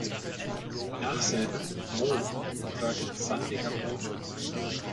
Die Nachsilbe "-mo" bedeutet sandiger Boden.